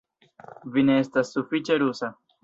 Vi ne estas sufiĉe rusa